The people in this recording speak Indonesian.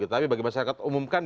tapi bagi masyarakat umum kan